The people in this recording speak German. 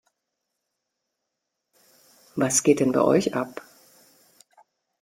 Was geht denn bei euch ab?